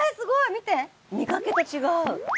見かけと違う。